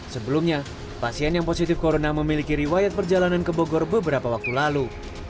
sebelumnya pasien yang positif corona memiliki riwayat perjalanan ke bogor beberapa waktu lalu